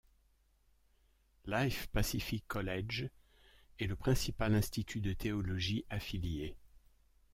Life Pacific College est le principal institut de théologie affilié.